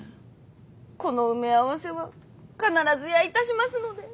この埋め合わせは必ずやいたしますので。